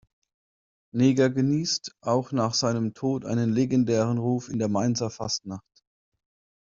Neger genießt auch nach seinem Tod einen legendären Ruf in der Mainzer Fastnacht.